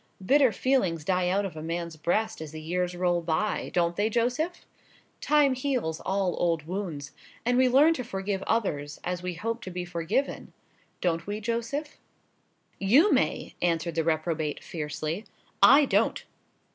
Bitter feelings die out of a man's breast as the years roll by—don't they, Joseph? Time heals all old wounds, and we learn to forgive others as we hope to be forgiven—don't we, Joseph?" "You may," answered the reprobate, fiercely; "I don't!"